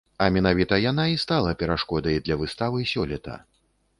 А менавіта яна і стала перашкодай для выставы сёлета.